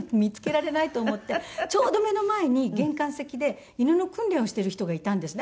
ちょうど目の前に玄関先で犬の訓練をしている人がいたんですね。